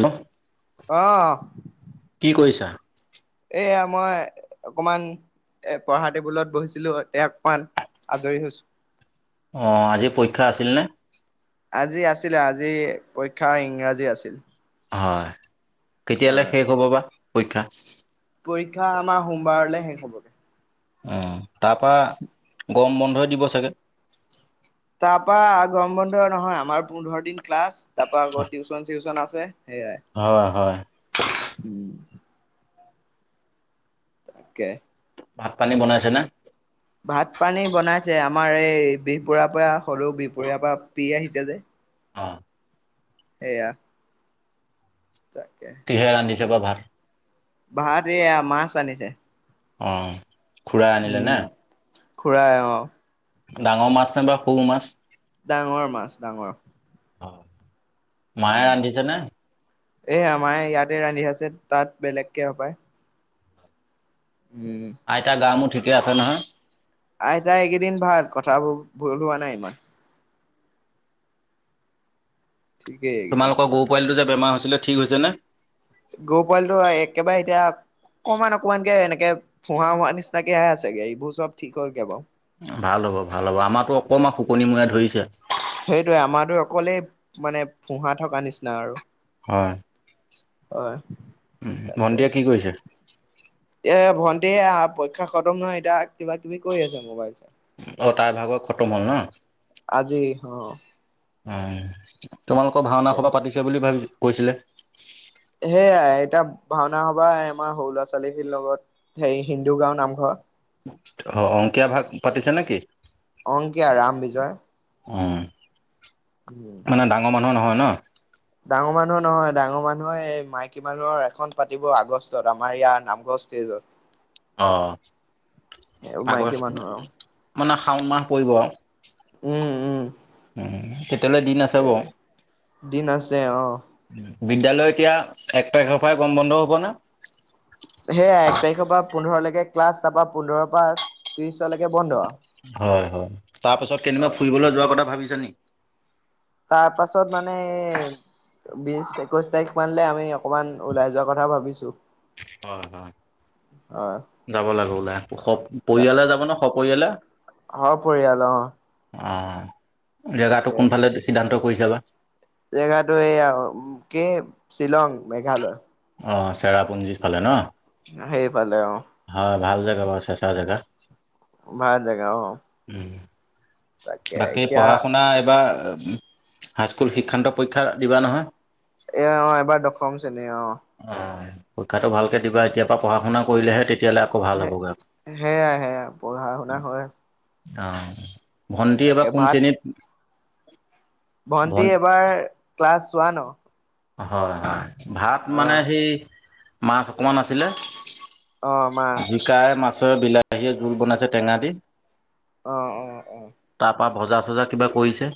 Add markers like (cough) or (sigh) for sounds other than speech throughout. হয় অঁহ কৰিছা? এয়া মই অকমান। এ পঢ়া টেবুলত বহিছিলো এ অকন মান আজৰি হৈছো অ আজি পৰীক্ষা আছিল নে আজি আছিলে আজি পৰীক্ষা ইংৰাজী আছিল। হয়। ৎকেতিয়ালৈ হয় শেষ হ'ব বা পৰীক্ষা- পৰীক্ষা আমাৰ সোমবাৰলৈ শেষ হবগে উ তাৰ পৰা গৰম বন্ধই দিব চাগে। তাৰপা গৰম বন্ধ নহয় আমাৰ পোন্ধৰ দিন ক্লাছ, তাৰপা আকৌ টিউশচন চিউচন আছে। সেয়াই হয় হয়। উম তাকে। ভাত পানী বনাইছে ন ভাত পানী বনাইছে আমাৰ এই বিহ বুঢ়াৰ পৰা হলেও বিহবঢ়াৰ পৰা পি আহিছে যে অ সেইয়া। তাকে কিহে ৰান্ধিছে বা ভাল। ভাত এইয়া মাছ আনিছে। অ খুৰা আনিলে নে- উম খুৰাই অহঁ ডাঙৰ মাছ নাই বা সৰু মাছ। ডাঙৰ মাছ ডাঙৰ। মায়ে ৰান্ধিছে নে? এয়া আমাৰ ইয়াতে ৰান্ধি আছে তাঁত বেলেগকে হপায় উম আইতা গা মো ঠিকে আছে নহয়? আইতাই এইকেইদিন ভাল কথাবোৰ ভুল হোৱা নাই ইমান ঠিকেই এইকেইদিন তোমালোকৰ গৰু পোৱালিটো যে বেমাৰ হৈছিলে ঠিক হৈছে নে? গৰু পোৱালটো একেবাৰে এতিয়া। অকমান অকমান এনেকে ফোহা হোৱা নিচিনাকাহে আছেগে এইবোৰ চব ঠিক হলগে বাৰু। ভাল হ'ব ভাল হ'ব আমাৰতো অকণমান শুকনি মূৰে ধৰিছে। সেইটোৱে আমাৰো অকলেই মানে ফোঁহা থকা নিচিনা আৰু। হয়। হয়। উম তাকে ভণ্টিয়ে কি কৰিছে? এ ভণ্টি পৰীক্ষা খতম নহয় এতিয়া কিবা কিবি কৰি আছে মোবাইল চাই। অ তাৰ ভাগৰ খটম হ'ল ন। অহ। তোমালোকৰ ভাওনা সভা পাতিছে বুলি ভাবি কৈছিলে। সেয়াই এতিয়া ভাওনা সবা আমাৰ সৰু ল'ৰা ছোৱালীখিৰ লগত হেৰি হিন্দু গাওঁ নামঘৰ। অ অংকীয়া ভাগ পাতিছে নেকি? অংকীয়া ৰাম বিজয়। অ উম মানে ডাঙৰ মানুহ নহয় নহ ডাঙৰ মানুহৰ নহয় ডাঙৰ মানুহে এই মাইকী মানুহৰ এখন পাতিব আগষ্টত আমাৰ ইয়াৰ নামঘস্থিত। (unintelligible) অ মাইকী আগষ্ট মানুহৰ মানে শাওণ মাহ পৰিব আৰু। উম উম। উম তেতিয়ালে দিন আছে বাৰু। দিন আছে অ। বিদ্যালয় এতিয়া এক তাৰিখৰ পৰা গৰম বন্ধ হ'ব নে সেয়া এক তাৰিখৰ পৰা পোন্ধৰলৈকে ক্লাছ তাৰপা পোন্ধৰ পৰা ত্ৰিশলৈকে বন্ধ হয় হয় তাৰ পাছত কেই দিন মান হয় ফুৰিবলৈ যোৱাৰ কথা ভাবিছা নি? তাৰ পাছত মানে এ। বিশ একৈশ তাৰিখ মানে আমি অকমান ওলাই যোৱাৰ কথা ভাবিছোঁ। হয় হয়। যাব লাগে ওলাই স পৰিয়ালে যাব ন সপৰিয়ালে। পৰিয়াল অহ আহ জেগাটো কোনফালে সিদ্ধান্ত কৰিছে বা। জেগাটো এইয়া কি শ্বিলং মেঘালয়। অ চেৰাপুঞ্জী ফালে ন। সেইফালে অ। হয় ভাল জেগা বা চেচা জেগা। ভাল জেগা অ। (inaudible) তাকে বাকী এতিয়া পঢ়া শুনা এইবাৰ হাইস্কুল শিক্ষান্ত পৰীক্ষা দিবা নহয়। এ অ এবাৰ দখম চেনি। অ পৰীক্ষাটো ভালকে দিবা এতিয়া পৰা পঢ়া শুনা কৰিলেহে তেতিয়া। সে সেয়াই সেয়াই পঢ়া শুনা হৈ আছে। অ ভন্টি তাকে এবাৰ কোন ভাত শ্ৰেণীত ভন্টি ভন এবাৰ ক্লাছ ৱান। হয় হয় ভাত মানে সেই মাছ অকণমান আছিলে। অ', মাছ তই বিলাহীয়ে জোল বনাইছে টেঙা দি অ' অ' অ'। বা ভজা-চজা কিবা কৰিছে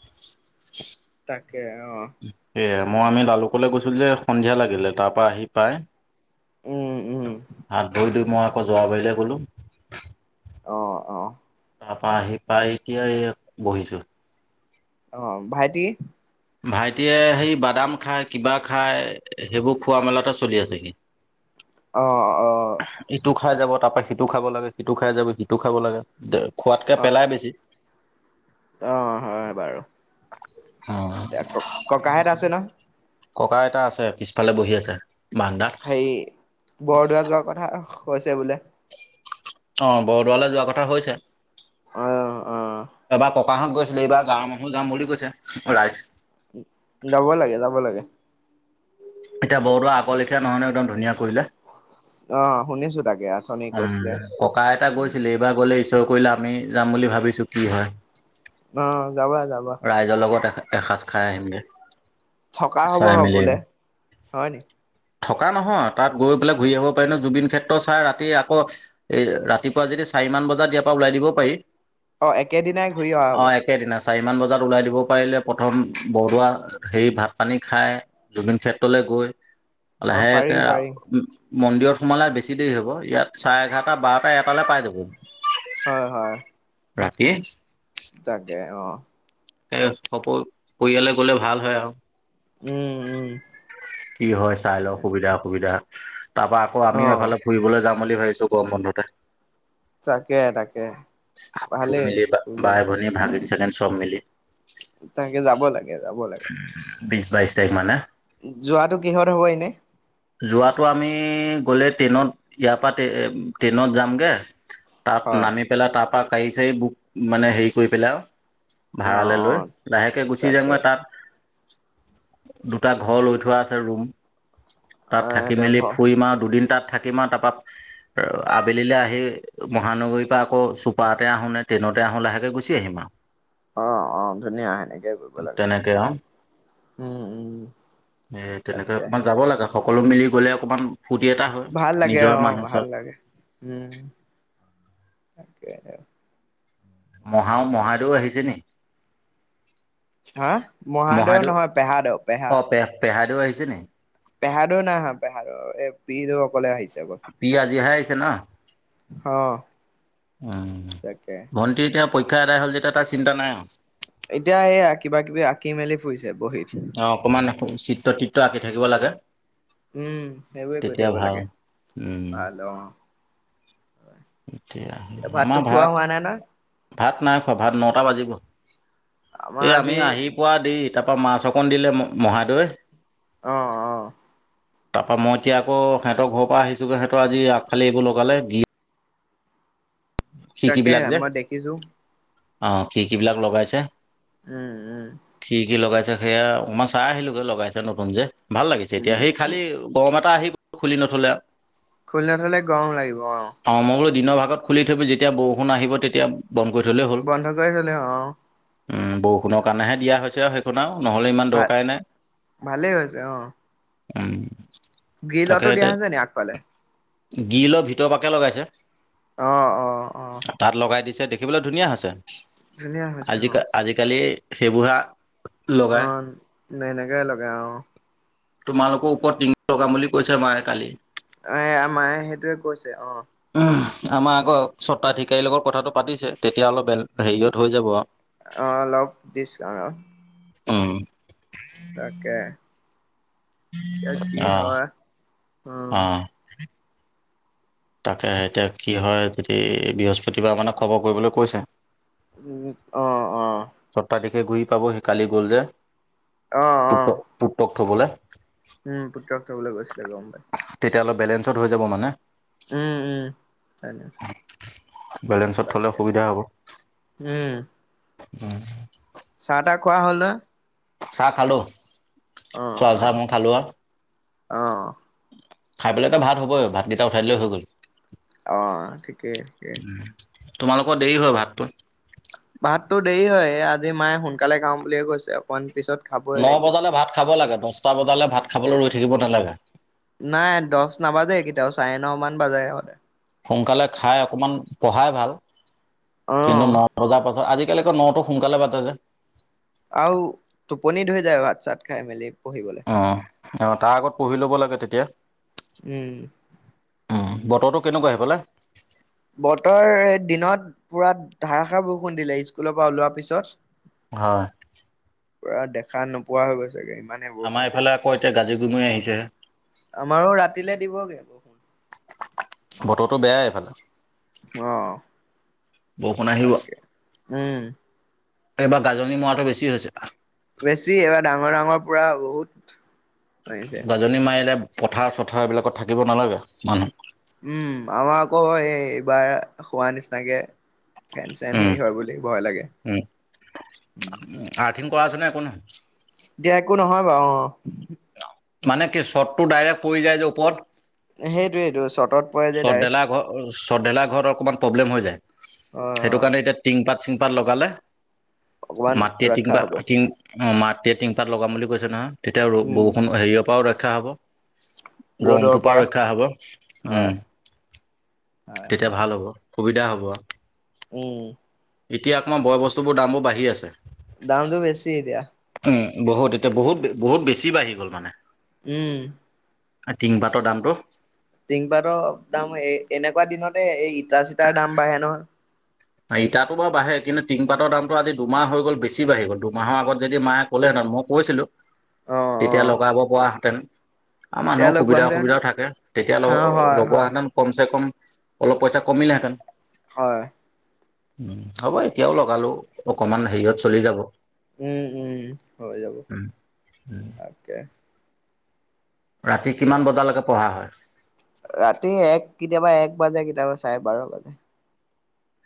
তাকে অহ সেয়ে মই আমি লালুকলৈ গৈছিলো যে সন্ধিয়া লাগিলে, তাৰ পৰা আহি পাই উম উম। হাত ভৰি ধুই মই আকৌ যোৱা বাৰিলে গলো। অ' অ'। তাৰপা আহি পাই, এতিয়া এইয়া বহিছো। অ', ভাইটি ভাইটিয়ে সেই বাদাম খায় কিবা খায়, সেইবোৰ খোৱা মেলাতে চলি আছে সি অ' অ'। খাই যাব তাৰ পৰা সিটো খাব লাগে, সিটো খাই যাব সিটো খাব লাগে, খোৱাতকে অ পেলাই বেছি। অ' হয় বাৰু। উম। এ ক-ককা হেত আছে নহ? ককা-আইতা আছে, পিছফালে বহি আছে। বাৰান্দাত। হেৰি, বৰদোৱা যোৱাৰ কথা হৈছে বোলে অ', বৰদোৱালে যোৱা কথা হৈছে। অ'। অ এবাৰ ককাহত গৈছিলে, এইবাৰ গাঁৱৰ মানুহো যাম বুলি কৈছে। ৰাইজ যাব লাগে, যাব লাগে। এতিয়া বৰদোৱা আগৰ লেখীয়া নহয় ন, একদম ধুনীয়া কৰিলে। অ শুনিছো তাকে আথনি উম, কৈছিলে ককা আইতা উম গৈছিলে এইবাৰ গ'লে ঈশ্বৰৰে কৰিলে আমি যাম বুলি ভাবিছোঁ, কি হয়। অ যাবা যাবা ৰাইজৰ লগত এ-এসাঁজ খাই আহিম গে। থকা হ'ব চাই হ মেলি বোলে, হয়নি? থকা নহয়, তাত গৈ পেলাই ঘূৰি আহিব পাৰি ন। জুবিন ক্ষেত্ৰ চাই ৰাতি আকৌ, এ ৰাতিপুৱা যদি চাৰি মান বজাত ইয়াৰ পৰা ওলাই দিব পাৰি। অ', একেই দিনাই ঘূৰি অহা অ হব। একেদিনা চাৰিমান বজাত ওলাই দিব পাৰিলে প্ৰথম বৰদোৱা হেৰি ভাত পানী খায়, জুবিন ক্ষে লৈ গৈ, অ পাৰি লাহেকে পাৰি আও মন্দিৰত সোমালে বেছি দেৰি হ'ব, ইয়াত চাৰে এঘাৰটা বাৰটা এটালে পাই যাব। হয় হয়। ৰাতি তাকে, অ'। এ সকলো পৰিয়ালে গলে ভাল হয় আও উম উম। কি হয় চাই লওঁ, সুবিধা অসুবিধা তাৰপা আকৌ অ আমিও এফালে ফুৰিবলৈ যাম বুলি ভাবিছো গৰম বন্ধতে। তাকে তাকে। সকলো ভালেই মিলি বা কৰিব লাগে ভাই-ভনী, ভাগিন-চাগিন, চব মিলি তাকে যাব লাগে, যাব লাগে। বিছ-বাইছ তাৰিখমানে যোৱাটো কিহত হ'ব এনে? যোৱাটো আমি গ'লে ট্ৰেইনত, ইয়াৰ পৰা ট্ৰে-ট্ৰেইনত যামগে তাত হয় নামি পেলাই তাৰ পৰা গাড়ী-চাড়ী বুক, মানে হেৰি কৰি পেলাই অ ভাড়ালে অ লৈ, লাহেকে গুচি তাকে যামগৈ তাত দুটা ঘৰ লৈ থোৱা আছে ৰুম। অ তাত থাকি দে ভ মেলি ফুৰিম আও দুদিন তাত থাকিমা তাৰপ আবেলিলে আহি মহানগৰীৰ পৰা আকৌ চুপাতে আহো নে ট্ৰেইনত ততে আহো লাহে গুচি আহিম আও। অ অ ধুনীয়া সেনেকেই কৰিব লাগে। উম উম এ তেনেকে তাকে অকমান যাব লাগে সকলো মিলি গলে অকমান ফূৰ্তি এটা হয় ভাল লাগে নিজৰ আহ মানুহ ভাল চব লাগে উম। তাকে মহা মহাদেউ আহিছে নি? হা মহাদেউ নহয় পেহাদেও পেহা অ পে পেহাইদেউ আহিছে ন। পেহাদৌ নাই হা পেহাদো এই পেহিদৌ অকলে আহিছে আকৌ। সি আজিহে আহিছে তাকে ভণ্টি এতিয়া পৰীক্ষা আদায় হ'ল যেতিয়া তাৰ চিন্তা নাই আও। এতিয়া এইয়া কিবা কিবি আঁকি মেলি ফুৰিছে বহীত অ অকমান চিত্ৰ-তিত্ৰ আঁকি থাকিব লাগে। উম সেইবোৰে কৈ তেতিয়া থাকিব ভাল লাগে। উম ভাল অ। এতিয়া ভাতটো আমাৰ খোৱা ভাত হোৱা নাই নহয় ভাত নাই খোৱা ভাত নটা বাজিব। আমাৰ এ আমি আজি আহি পোৱা দ তাৰ পৰাৰা মাছ অকণ দিলে মহাদেওৱে? আহ আহ। তাৰ পৰাৰা মই এতিয়া আকৌ সিহঁতৰ ঘৰৰ পৰা আহিছোগৈ সিহঁতৰ আজি আগফালি এইবোৰ লগালে গ। তাকে যে মই দেখিছো। অ কি কি বিলাক লগাইছে। উম উম। সেয়া অকণমান চাই আহিলোগৈ লগাইছে নতুন যে, ভাল লাগিছে এতিয়া উম সেই খালি উম গৰম এটা আহি খুলি নথলে। খুলি নথলে গৰম লাগিব। অ অগ্ৰো দিনৰ ভাগত খুলি থৈব যেতিয়া বৰষুণ আহিব তেতিয়া। বন্ধ কৰি থলেই হ'ল বন্ধ কৰি থলে অ। উম বৰষুণৰ কাৰণেহে দিয়া হৈছে আও, সেইখন আও। নহ'লে ইমান ভাত দৰকাৰাই নাই, ভালেই হৈছে অ উ। গ্ৰীলতো দিয়া হৈছে হৈছে নি আগফালে। গ্ৰ্যলৰ লৰৰ ভিতৰ পাকে লগাইছে। আহ অ আহ। তাত লগাই দেখিবলৈ ধুনীয়া হৈছে, ধুনীয়া হৈছে আজি অ', আজিকালি সেইবো় অ মনে ক লগ গ অ তোমালোকৰ ওপৰত টিঙি লগাম বুলি কৈছে মায়ে কালি। এ আ মায়ে সেইটোয়ে কৈছে অ। আমাৰ আকৌ স্বত্বাধিকাৰীৰ লগৰ কথাটো পাতিছে তেতিয়া অলপ ব হেৰিয়ত হৈ যাব আৰু। অ', অলপ ডিচকাউণ্ট অম। তাকে। এ কি অ হয়। অ। উম, তাকে এতিয়া কি হয় যদি বৃহস্পতিবাৰ মানে খবৰ কৰিবলৈ কৈছে। উ আহ আহ ছটা দিশে ঘূৰি পাব সি কালি গ'ল যে। অহ অহ। পুতক পুতক থবলে। উম পুত্ৰক থবলৈ গৈছিলে গম পাই। তেতিয়া অলপ বেলেঞ্চত হৈ যাব মানে। উম উম হয়। বেলেঞ্চত থলে সুবিধা হ'ব। উম, উম্। চাহ তাহ খোৱা হ'ল ন। চাহ খালো, খুৱা চাহ অ', মই খালো আও। অ। খাই পেলাই এটা ভাত হ'বই ভাতকেইটা উঠাই লৈ হৈ গ'ল। অ ঠিকেই কেই। তোমালোকৰ দেৰি হয় ভাতটো? ভাততো দেৰি হয় আজি মায়ে সোনকালে খাাম বুলিয়ে কৈছে অকন। ন বজালে ভাত খাব লাগে, দছটা বজালে ভাত খাবলে ৰৈ থাকিব নালাগে। নাই দহ নাবাজে কেতিয়াও চাৰে ন মান বাজে হলে। সোনকালে খাই অকণমান পঢ়াই ভাল, কিন্তু অ', ন বজাৰ পাছত আজি একেলগে নতো সোনকালে পা যে। আৰু, টোপনিত হৈ যায় ভাত চাত খাই মেলি। পঢ়িবলৈ অ অ তাৰ আগত পঢ়ি ল'ব লাগে তেতিয়া। উম। বতৰটো কেনেকুৱা সেইফালে? বতৰ দিনত পুৰা ধাৰষাৰ বৰষুণ দিলে স্কুলৰ পৰা ওলোৱাৰ পিছত। হয়। খান নোপোৱা হৈ গৈছে গে। আমাৰ ই এইফালে আকৌ এতিয়া গাজি গুমৰি আহিছে আমাৰো ৰাতিলে দিবগে বৰষুন। বতৰৰতো বেয়াই এইফালে। আহ, বৰষুণ আহিব। তাকে উম। এইবাৰ গাজনি মৰাটো বেছি হৈছে। বেছি এইবাৰ ডাঙৰ ডাঙৰ পৰা বহুত। হৈছে গাজনি মাৰিলে পথাৰ চথাৰ এইবিলাকত থাকিব নালাগে মানুহ উম আমাৰ আকৌ এই এইবাৰ হোৱা নিচিনাকে ফেন চেন উম। হেৰি হয় বুলি ভয় লাগে উ, কৰাচেনাই একো নহয়। দিয়া একো নহয় বাৰু অ মানে কি শ্বটটো ডাইৰেক্ট পৰি যায় যে ওপৰত সেইটোৱেইটো চৰ্টত পৰে যে চৰ্ত ডাইৰেক্ট ঢেলাই ঘৰত চৰ্ত ঢেলাই ঘৰত অকমান প্ৰব্লেম হৈ যায় হয় সেইটো হয় কাৰণে এতিয়া টিং পাত তিংপাত লগালে অকমান মাটি ৰক্ষা টিংপা হ'ব টিং অ মাত এতিয়া টিংপাত লগাম বুলি কৈছে নহয়, তেতিয়া অ উম বষুণ হেৰিয়ৰ পৰাও ৰক্ষা হ'ব। গৰমটোৰ পৰা ৰক্ষা হব। উম। হয় হয় তেতিয়া হয় ভাল হ'ব সুবিধা হ'ব। উম। এতিয়া অকমান বয় বস্তুবোৰ দামবোৰ বাঢ়ি আছে। দামটো বেছি এতিয়া। উম বহুত এতিয়া বহুত বহুত বেছি বাঢ়ি গ'ল মানে। উম। টিং পাটৰ দামটো, টিংপাত দাম এই এনেকুৱা দিনতে এই ইটা চিটাৰ দাম বাঢ়ে নহয়। ইতাতো বাঢ়ে কিন্তু তিংপাতৰ দামটো আজি দুমাহ হৈ গ'ল বেছি বাঢ়ি গল দুমাহৰ আগত যদি মায়ে ক'লেহেতে মই কৈছিলো অ অ তেতিয়া লগাব পৰা হেতেন আৰু তেতিয়া মানুহৰ সুবিধা লগোৱাহেঁতেন অসুবিধাও থাকে, তেতিয়া অ হয় লগোৱা হয় হেতেন কম চে কম অলপ পইচা কমিলে হেঁতেন। হয়। উ হ'ব এতিয়াও লগালো অকমান হেৰিয়ত চলি যাব। উম উম হৈ যাব, তাকে। ৰাতি কিমান এতিয়া বজালৈকে পঢ়া হয়? ৰাতি এক কেতিয়াবা এক বাজে, কেতিয়াবা চাৰে বাৰ' বাজে।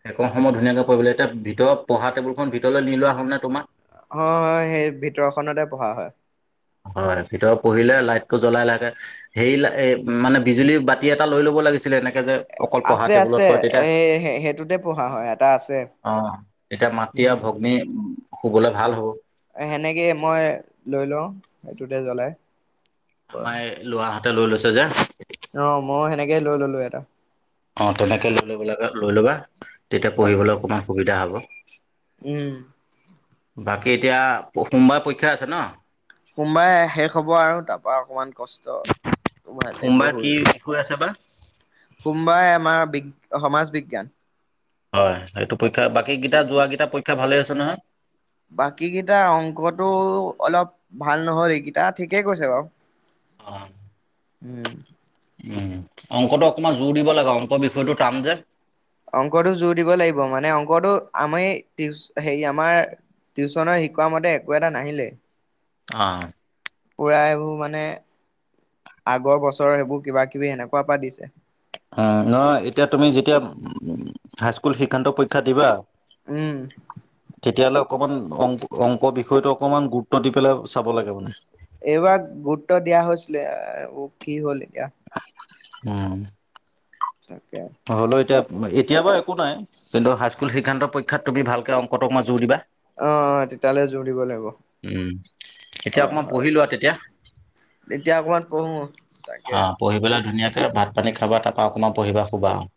সেইকণ সময় ধুনীয়াকে কৰিবলৈ এতিয়া ভিতৰত পঢ়া টেবুলখন ভিতৰলৈ নি লোৱা হ'ল নে তোমাৰ অ হয় সেই ভিতৰখনতে পঢ়া হয় হয় ভিতৰত পঢ়িলে লাইটটো জ্বলাই লাহেকে হেৰি মানে বিজুলী বাতি এটা লৈ ল'ব লাগিছিলে এনেকে যে অকল পঢ়া আছে টেবুলত আছে পৰে তেতিয়া এ সেইটোতে পঢ়া হয় এটা আছে। অ তেতিয়া মাটি আৰু ভগ্নী শুবলৈ ভাল হ'ব সেনেকেই মই লৈ লওঁ সেইটোতে জ্বলাই পৰা আমাৰ এই লৰাহঁতে লৈ লৈছে যে। অ ময়ো সেনেকেই লৈ ললো এটা। অঁ তেনেকে লৈ ল'ব লাগে লৈ ল'বা তেতিয়া তাকে পঢ়িবলৈ অকণমান সুবিধা হ'ব। উম। বাকী এতিয়া সোমবাৰে পৰীক্ষা আছে ন? সোমবাৰে শেষ হ'ব আৰু তাৰ পৰা অকমান কষ্ট, ভাল লাগিব সোমবাৰে কি শুই বিষয় আছে বা? মেলি। সোমবাৰে আমাৰ বি সমাজ বিজ্ঞান হয় সেইটো পৰীক্ষা বাকীকেইটা যোৱা কেইটা পৰীক্ষা ভালে আছে নহয় বাকী কেইটাৰ অংকটো অলপ ভাল নহয় এইকেই এয়া ঠিকেই কৈছে বাৰু। অ' উম। উম। অংকটো তাকে অকণমান জোৰ দিব লাগে অংক বিষয়টো টান যে। (unintelligible) অংকটো জোৰ দিব লাগিব, মানে অংকটো আমি হেৰি আমাৰ টিউচনৰ শিকোৱা মতে একো এটা নাহিলে অ পোৰা এইবোৰ মানে আগৰ বছৰৰ সেইবোৰ কিবা কিবি সেনেকুৱা পৰা দিছে। উম নহয় এতিয়া তুমি যেতিয়া হাইস্কুল শিক্ষান্ত পৰীক্ষা দিবা, উম অকণমান অংক অংক বিষয়টো অকমান গুৰুত্ব দি পেলাই চাব লাগে মানে। এইবাৰ গুৰুত্ব দিয়া হৈছিলে আ কি হ'ল এতিয়া উম। তাকে। হ'লো এতিয়া এতিয়া বাৰু একো নাই, কিন্তু হাইস্কুল শিক্ষান্ত পৰীক্ষাত তুমি ভালকৈ অংকটো অকমান জোৰ দিবা। অ তেতিয়ালে জোৰ দিব লাগিব উম। এতিয়া হয় অকমান পঢ়ি লোৱা তেতিয়া। হয় এতিয়া অকণমান পঢ়ো। তাকে। অঁহ পঢ়ি পেলাই ধুনীয়াকে ভাত পানী খাবা তাৰপৰা অকণমান পঢ়িবা, শুবা আৰু।